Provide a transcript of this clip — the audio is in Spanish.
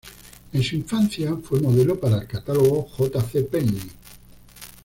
En su infancia fue modelo para el catálogo J. C. Penney.